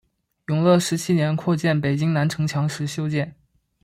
永乐十七年扩建北京南城墙时修建。